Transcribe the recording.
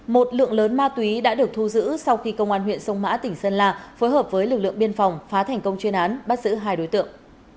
một lượng lớn ma túy đã được thu giữ sau khi công an huyện sông mã tỉnh sơn la phối hợp với lực lượng biên phòng phá thành công chuyên án bắt giữ hai đối tượng